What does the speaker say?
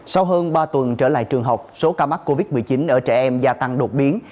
sau hơn ba tuần trở lại trường học số ca mắc covid một mươi chín ở trẻ em gia tăng đột biến